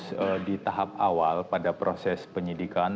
kami masih fokus di tahap awal pada proses penyidikan